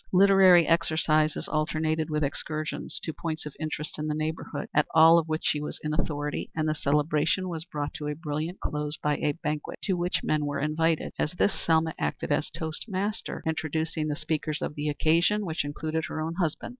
Literary exercises alternated with excursions to points of interest in the neighborhood, at all of which she was in authority, and the celebration was brought to a brilliant close by a banquet, to which men were invited. At this Selma acted as toastmaster, introducing the speakers of the occasion, which included her own husband.